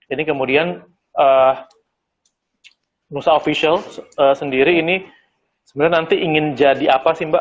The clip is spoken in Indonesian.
ini kemudian nusa official sendiri ini sebenarnya nanti ingin jadi apa sih mbak